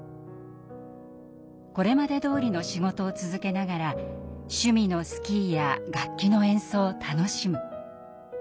これまでどおりの仕事を続けながら趣味のスキーや楽器の演奏を楽しむ。